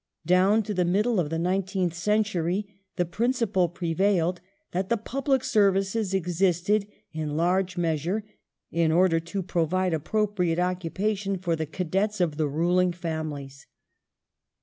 The Civil Down to the middle of the nineteenth century the principle prevailed that the Public Services existed, in large measure, in order to provide appropriate occupation for the cadets of the ruling families.